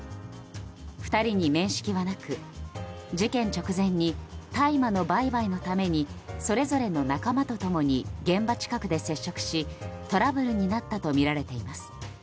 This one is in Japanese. ２人に面識はなく事件直前に大麻の売買のためにそれぞれの仲間と共に現場近くで接触しトラブルになったとみられています。